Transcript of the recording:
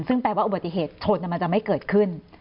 ซึ่งแปลว่าอุบัติเหตุชนมันจะไม่เกิดขึ้น